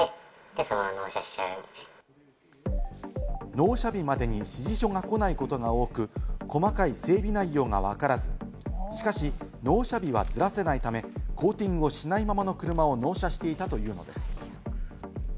納車日までに指示書が来ないことが多く、細かい整備内容がわからず、しかし納車日はずらせないため、コーティングをしないままの車を納車していたというのです。